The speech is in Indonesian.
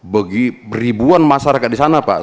bagi ribuan masyarakat di sana pak